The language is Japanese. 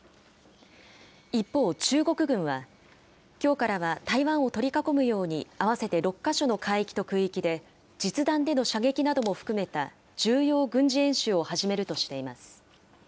一方、中国軍は、きょうからは、台湾を取り囲むように、合わせて６か所の海域と空域で、実弾での射撃なども含めた重要軍事演習を始めるとしています。